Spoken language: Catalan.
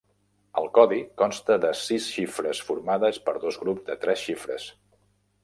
El codi consta de sis xifres formades per dos grups de tres xifres.